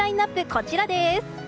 こちらです。